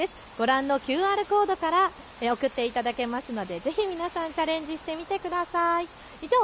ご覧のＱＲコードから送っていただけますのでぜひ皆さんチャレンジしてみてください。